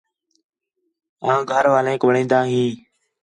آن کر اوانک وڑین٘دا ہین